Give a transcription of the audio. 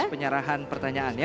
penyerahan pertanyaan ya